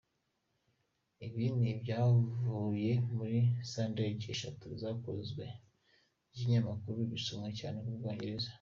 Ibi ni ibyavuye muri sondages eshatu zakozwe nibinyamakuru bisomwa cyane mu Bwongereza.